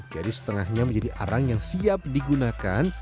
jadi setengahnya menjadi arang yang siap digunakan